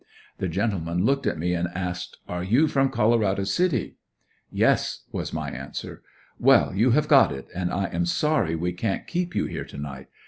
The gentleman looked at me and asked: "Are you from Colorado City?" "Yes," was my answer. "Well, you have got it, and I am sorry we can't keep you here to night.